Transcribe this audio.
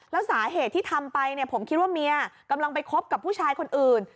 แล้วสาเหตุที่ทำไปผมคิดว่าเมียกำลังไปคบกับผู้ชายคนอื่น